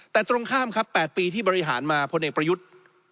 แต่ตรงข้ามครับ๘ปีที่บริหารมาพลเอกประยุทธ์